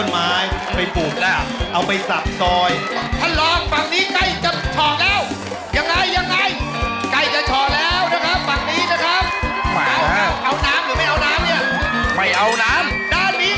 มีมือปรานดี